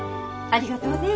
ありがとうね。